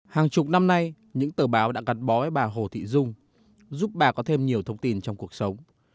hàng chục năm nay những tờ báo đã gắn bó với bà hồ thị dung giúp bà có thêm nhiều thông tin trong cuộc sống